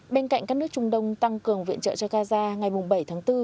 bên cạnh các nước trung đông tăng cường viện trợ cho gaza ngày bảy tháng bốn